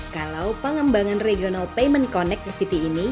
kalau pengembangan regional payment connectivity ini